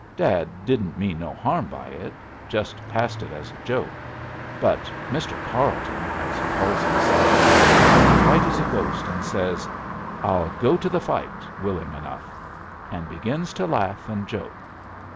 Dad didn't mean no harm by it, just passed it as a joke; but Mr. Carleton, as he calls himself, got white as a ghost an' says, 'I'll go to the fight willing enough,' and begins to laugh and joke.